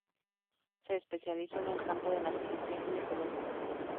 Se especializó en el campo de la cirugía ginecológica.